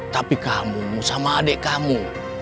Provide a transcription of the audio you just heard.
tapi kamu sama adik kamu